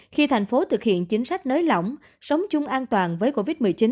khi thành phố thực hiện chính sách nới lỏng sống chung an toàn với covid một mươi chín